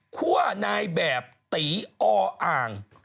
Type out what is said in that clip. คั่วนายแบบตีอ้ออ่าง